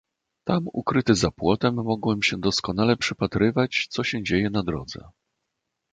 "Tam ukryty za płotem mogłem się doskonale przypatrywać, co się dzieje na drodze."